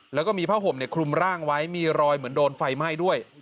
แล้วก็มีผ้าห่มคลุมร่างไว้มีรอยเหมือนโดนไฟไหม้ด้วย